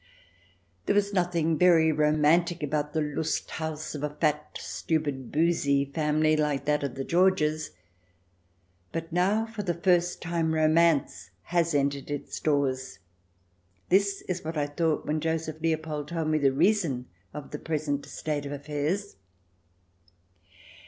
There was nothing very romantic about the Lust haus of a fat, stupid, boozy family like that of the Georges ; but now for the first time romance has entered its doors. This is what I thought when Joseph Leopold told me the reason of the present state of affairs.